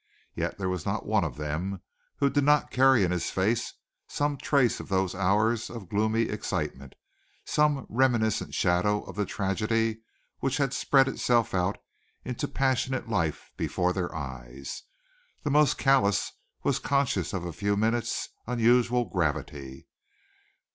Yet there was not one of them who did not carry in his face some trace of those hours of gloomy excitement, some reminiscent shadow of the tragedy which had spread itself out into passionate life before their eyes. The most callous was conscious of a few minutes' unusual gravity.